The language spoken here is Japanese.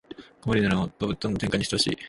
コメディならもっとぶっ飛んだ展開にしてほしい